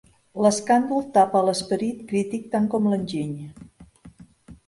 L'escàndol tapa l'esperit crític tant com l'enginy.